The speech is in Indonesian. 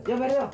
ya beri ya